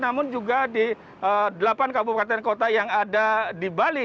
namun juga di delapan kabupaten kota yang ada di bali